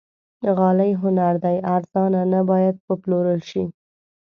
غالۍ هنر دی، ارزانه نه باید وپلورل شي.